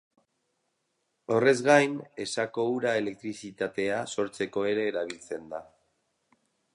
Horrez gain, Esako ura elektrizitatea sortzeko ere erabiltzen da.